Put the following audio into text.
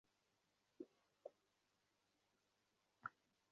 তিনি "যে মানুষকে আপনি ঘৃণা করতে ভালবাসেন" হিসেবে পরিচিত।